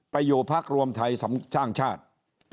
ไปอยู่พักรวมไทยสร้างชาติ